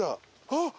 あっ！